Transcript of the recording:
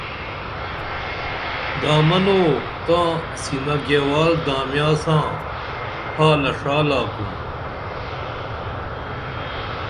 دامنوں تاں سِنا گیوال دامیاں ساں حالہ ݜا لاکُم